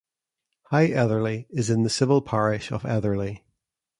High Etherley is in the civil parish of Etherley.